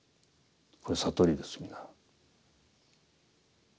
これは悟りです皆。